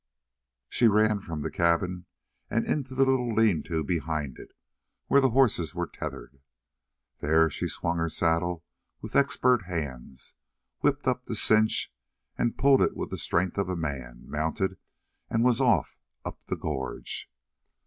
She ran from the cabin and into the little lean to behind it where the horses were tethered. There she swung her saddle with expert hands, whipped up the cinch, and pulled it with the strength of a man, mounted, and was off up the gorge.